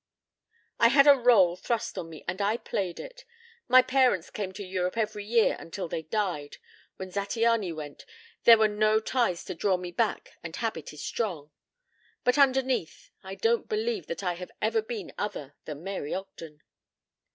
"I had a rôle thrust on me and I played it. My parents came to Europe every year until they died. When Zattiany went, there were no ties to draw me back and habit is strong. But underneath I don't believe that I have ever been other than Mary Ogden."